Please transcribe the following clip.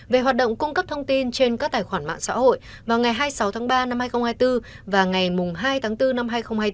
về hoạt động cung cấp thông tin trên các tài khoản mạng xã hội vào ngày hai mươi sáu tháng ba năm hai nghìn hai mươi bốn và ngày hai tháng bốn năm hai nghìn hai mươi bốn